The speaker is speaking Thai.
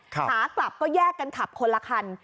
ขากลับก็แยกกันขับคนละคัน